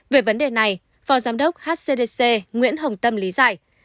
về vấn đề này phó giám đốc hcdc nguyễn hồng tâm lý giải